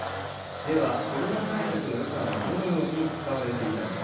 ではコロナ対策の予算はどのように使われていたのか。